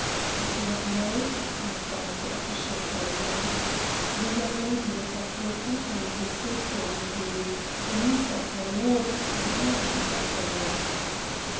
"Did you not know?" inquired the official gravely. "The young lady was of your company who stayed here with you the niece of milord, the elderly gentleman."